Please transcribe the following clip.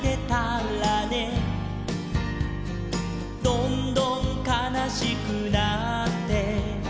「どんどんかなしくなって」